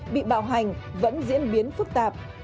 bị bạo hành vẫn diễn biến phức tạp